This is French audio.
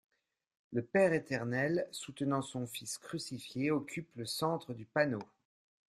Le Père Éternel, soutenant son fils crucifié, occupe le centre du panneau.